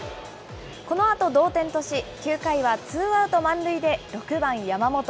このあと同点とし、９回はツーアウト満塁で６番山本。